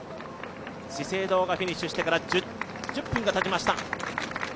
資生堂がフィニッシュして１０分がたちました。